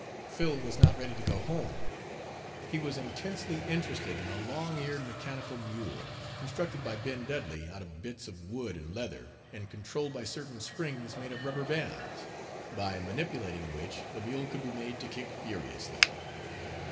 Phil was not ready to go home. He was intensely interested in a long eared mechanical mule, constructed by Ben Dudley out of bits of wood and leather and controlled by certain springs made of rubber bands, by manipulating which the mule could be made to kick furiously.